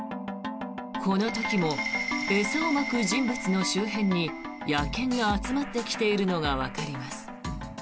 この時も餌をまく人物の周辺に野犬が集まってきているのがわかります。